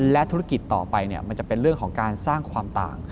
และธุรกิจต่อไปมันจะเป็นเรื่องของการสร้างความต่าง